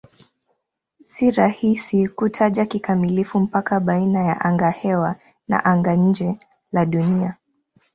Si rahisi kutaja kikamilifu mpaka baina ya angahewa na anga-nje la Dunia.